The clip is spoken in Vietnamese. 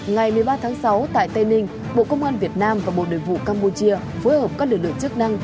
ngày một mươi ba tháng sáu tại tây ninh bộ công an việt nam và bộ đội vụ campuchia phối hợp các lực lượng chức năng